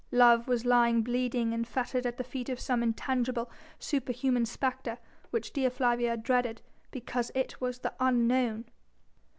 Love was lying bleeding and fettered at the feet of some intangible, superhuman spectre which Dea Flavia dreaded because it was the Unknown.